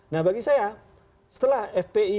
nah bagi saya setelah fpi